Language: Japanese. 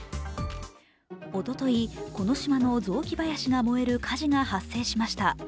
おととい、この島の雑木林が燃える火事が発生しました。